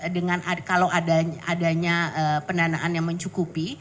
dengan kalau adanya pendanaan yang mencukupi